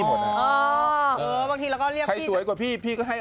หย่อกต่อไป